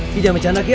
ki jangan bercanda ki